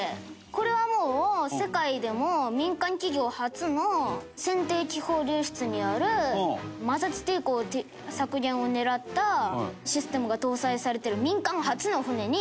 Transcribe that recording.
これはもう世界でも民間企業初の船底気泡流出による摩擦抵抗削減を狙ったシステムが搭載されてる民間初の船に乗りました。